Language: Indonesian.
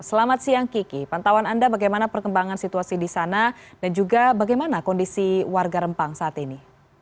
selamat siang kiki pantauan anda bagaimana perkembangan situasi di sana dan juga bagaimana kondisi warga rempang saat ini